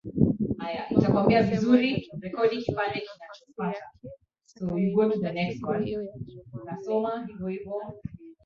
obama amesema atatumia vizuri nafasi yake atakayoipata siku hiyo ya jumanne